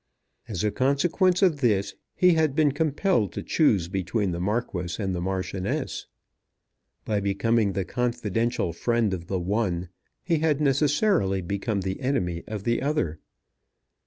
As a consequence of this he had been compelled to choose between the Marquis and the Marchioness. By becoming the confidential friend of the one he had necessarily become the enemy of the other.